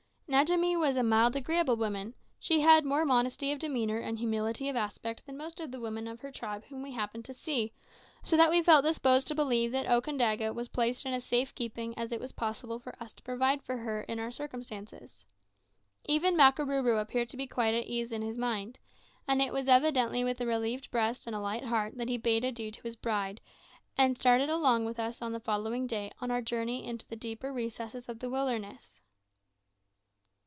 Njamie was a mild, agreeable woman. She had more modesty of demeanour and humility of aspect than the most of the women of her tribe whom we happened to see, so that we felt disposed to believe that Okandaga was placed in as safe keeping as it was possible for us to provide for her in our circumstances. Even Makarooroo appeared to be quite at ease in his mind; and it was evidently with a relieved breast and a light heart that he bade adieu to his bride, and started along with us on the following day on our journey into the deeper recesses of the wilderness.